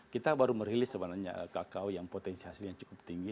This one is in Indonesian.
kita baru merilis sebenarnya kakao yang potensi hasilnya cukup tinggi